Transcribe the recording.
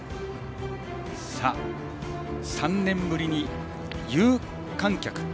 ３年ぶりに有観客。